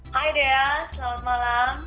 hai dea selamat malam